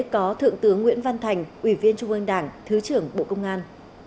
có thượng tướng nguyễn văn thành ủy viên trung ương đảng thứ trưởng bộ công an